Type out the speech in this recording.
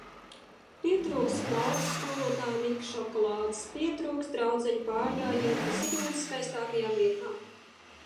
Pietrūkst flautas skolotāja Mika šokolādes! Pietrūkst draudzeņu pārgājiena pa Siguldas skaistākajām vietām!